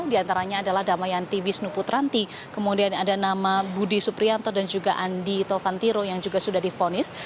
di antaranya adalah damayanti wisnu putranti kemudian ada nama budi suprianto dan juga andi taufantiro yang juga sudah difonis